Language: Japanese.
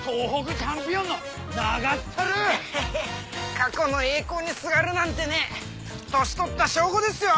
過去の栄光にすがるなんてね歳とった証拠ですよ。